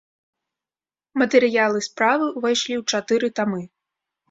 Матэрыялы справы ўвайшлі ў чатыры тамы.